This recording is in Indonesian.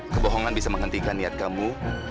kebohongan bisa menghentikan niat kamu